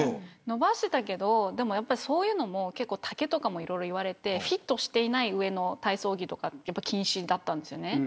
伸ばしていたけどそういうのも結構、丈とかもいろいろ言われてフィットしていない上の体操着が禁止だったんです。